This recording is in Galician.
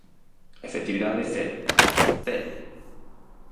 Efectividade, cero, ¡cero!